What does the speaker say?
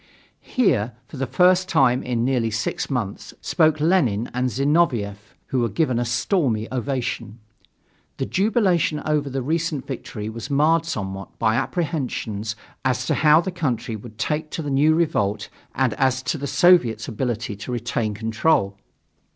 Here, for the first time in nearly six months, spoke Lenin and Zinoviev, who were given a stormy ovation. The jubilation over the recent victory was marred somewhat by apprehensions as to how the country would take to the new revolt and as to the Soviets' ability to retain control.